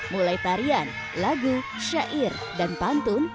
mulai tarian lagu syair dan pantun